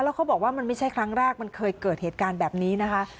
แล้วเขาบอกว่ามันไม่ใช่ครั้งแรกมันเคยเกิดเหตุการณ์แบบนี้นะคะ